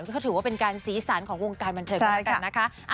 ก็ถือว่าเป็นการสีสันของวงการบันเทิงกันแล้วกันนะคะ